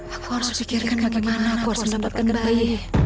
aku harus pikirkan bagaimana aku harus mendapatkan bayi